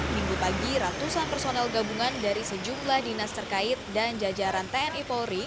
minggu pagi ratusan personel gabungan dari sejumlah dinas terkait dan jajaran tni polri